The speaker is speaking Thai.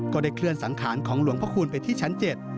ก็ได้เคลื่อนสังขารของหลวงพระคูณไปที่ชั้น๗